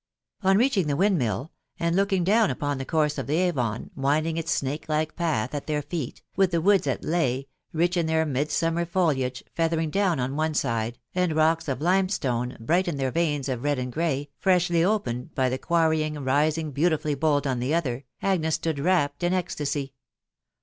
On reaching the windmill, and looking down upon the course of the Avon, winding its snake like path at their feet, with the woods ot Leigh, rich in their midsummer foliage, feathering down on one side, and rocks of limestone, bright in their veins of zed and grey, freshly opened by the quarrying, rising beautifully bold on the other, Agnes stood wrapt in ecstasy.